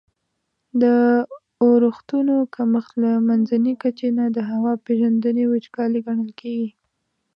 د اورښتونو کمښت له منځني کچي نه د هوا پیژندني وچکالي ګڼل کیږي.